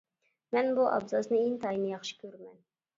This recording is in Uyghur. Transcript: مەن بۇ ئابزاسنى ئىنتايىن ياخشى كۆرىمەن.